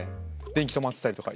電気止まってたりとか。